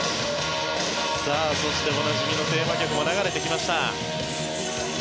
そしておなじみのテーマ曲も流れてきました。